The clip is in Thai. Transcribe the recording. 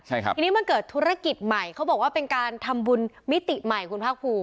ใช่ครับทีนี้มันเกิดธุรกิจใหม่เขาบอกว่าเป็นการทำบุญมิติใหม่คุณภาคภูมิ